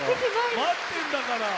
待ってるんだから。